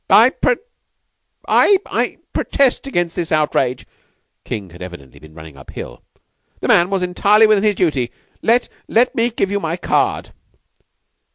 "I I protest against this outrage." King had evidently been running up hill. "The man was entirely within his duty. Let let me give you my card."